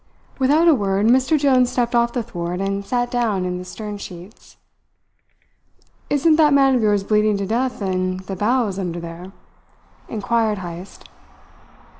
Without a word, Mr. Jones stepped off the thwart and sat down in the stern sheets. "Isn't that man of yours bleeding to death in the bows under there?" inquired Heyst.